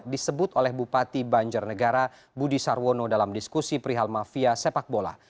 disebut oleh bupati banjarnegara budi sarwono dalam diskusi perihal mafia sepak bola